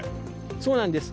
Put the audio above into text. そうなんです。